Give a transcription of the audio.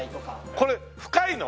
これ深いの？